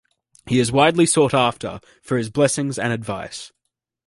He is widely sought after for his blessings and advice.